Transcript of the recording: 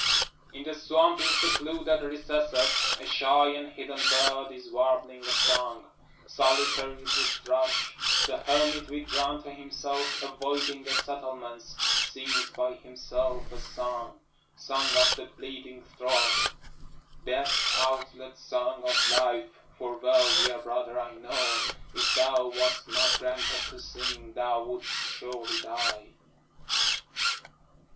4 In the swamp in secluded recesses, A shy and hidden bird is warbling a song. Solitary the thrush, The hermit withdrawn to himself, avoiding the settlements, Sings by himself a song. Song of the bleeding throat, Death's outlet song of life, (for well dear brother I know, If thou wast not granted to sing, thou would'st surely die.)